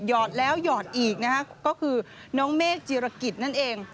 อดแล้วหยอดอีกนะฮะก็คือน้องเมฆจิรกิจนั่นเอง